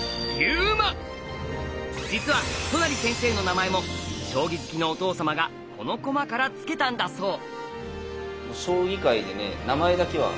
実は都成先生の名前も将棋好きのお父様がこの駒から付けたんだそう。